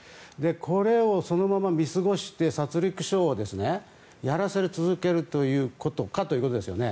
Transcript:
これをそのまま見過ごして殺戮ショーをやらせ続けるかということですよね。